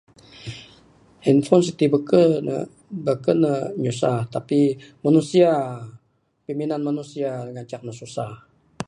Handphone siti beken ne beken ne nyusah tapi manusia piminan manusia ngancak ne susah.